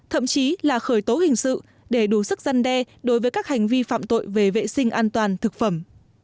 thậm chí là khởi tố hình sự để đủ sức gian đe đối với các hành vi phạm tội về vệ sinh an toàn thực phẩm